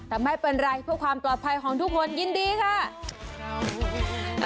แต่ไม่เป็นไรเพื่อความปลอดภัยของทุกคนยินดีค่ะ